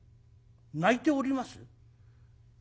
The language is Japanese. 泣いております？